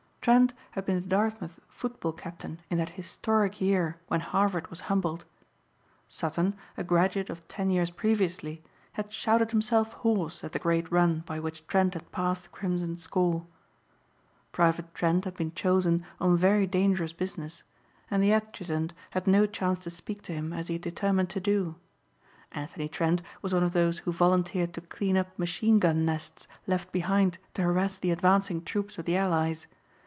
Trent had been the Dartmouth football captain in that historic year when Harvard was humbled. Sutton, a graduate of ten years previously, had shouted himself hoarse at the great run by which Trent had passed the crimson score. Private Trent had been chosen on very dangerous business and the adjutant had no chance to speak to him as he had determined to do. Anthony Trent was one of those who volunteered to clean up machine gun nests left behind to harass the advancing troops of the Allies.